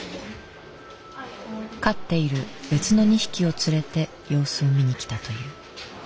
飼っている別の２匹を連れて様子を見に来たという。